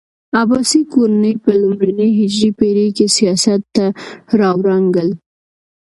عباسي کورنۍ په لومړنۍ هجري پېړۍ کې سیاست ته راوړانګل.